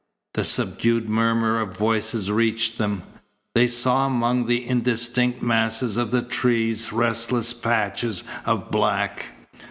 The subdued murmur of voices reached them. They saw among the indistinct masses of the trees restless patches of black.